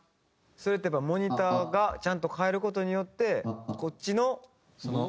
それってやっぱモニターがちゃんと変える事によってこっちのその。